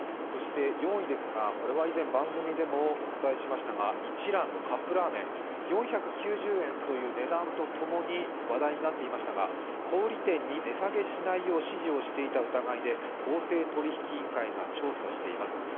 そして４位ですが、これは以前、番組でもお伝えしましたが一蘭のカップラーメン、４９０円という値段とともに話題になっていましたが、小売店に値下げしないよう指示をしていた疑いで公正取引委員会が調査しています。